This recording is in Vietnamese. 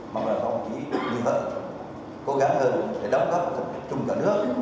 mà góp đồng ý như vậy cố gắng hơn để đóng góp một thị trung cả nước